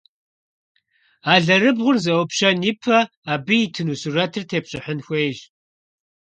Алэрыбгъур зэIупщэн ипэ, абы итыну сурэтыр тепщIыхьын хуейщ.